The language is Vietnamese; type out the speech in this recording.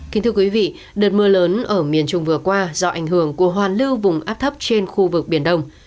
kính thưa quý vị đợt mưa lớn ở miền trung vừa qua do ảnh hưởng của hoàn lưu vùng áp thấp trên khu vực biển đông